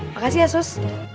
makasih ya sos